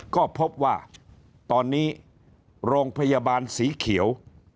ก็พบว่าตอนนี้โรงพยาบาลสีเขียว